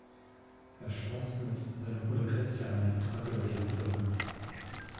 Er schloss mit seinem Bruder Christian einen Vertrag über die Erbfolge.